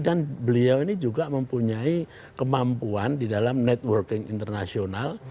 dan beliau ini juga mempunyai kemampuan di dalam networking internasional